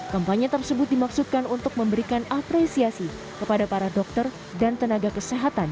kampanye tersebut dimaksudkan untuk memberikan apresiasi kepada para dokter dan tenaga kesehatan